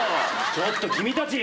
ちょっと君たち。